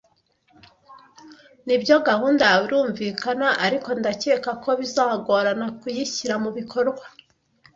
Nibyo, gahunda yawe irumvikana, ariko ndacyeka ko bizagorana kuyishyira mubikorwa.